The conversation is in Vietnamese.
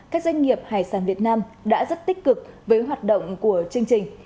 các doanh nghiệp hải sản việt nam đã rất tích cực với hoạt động của chương trình